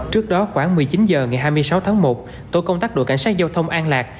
trước đó khoảng một mươi chín h ngày hai mươi sáu tháng một tổ công tác đội cảnh sát giao thông an lạc